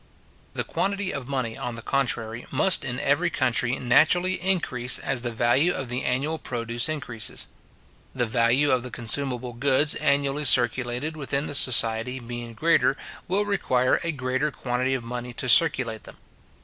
The quantity of money, on the contrary, must in every country naturally increase as the value of the annual produce increases. The value of the consumable goods annually circulated within the society being greater, will require a greater quantity of money to circulate them.